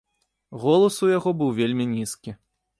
Голас у яго быў вельмі нізкі.